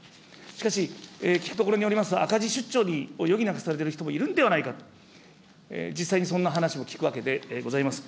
しかし、聞くところによりますと、赤字出張を余儀なくされている人もいるんではないかと、実際にそんな話も聞くわけでございます。